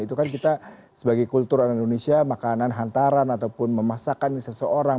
itu kan kita sebagai kultur orang indonesia makanan hantaran ataupun memasakkan seseorang